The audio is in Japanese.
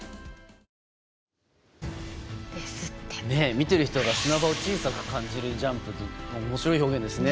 見ている人が砂場を小さく感じるジャンプおもしろい表現ですね。